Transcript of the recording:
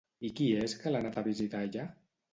I qui és que l'ha anat a visitar allà?